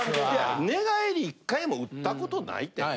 寝返り１回もうったことないってね。